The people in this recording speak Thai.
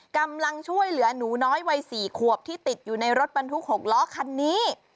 กำลังช่วยเหลือหนูน้อยวัย๔ขวบที่ติดอยู่ในรถบรรทุก๖ล้อคันนี้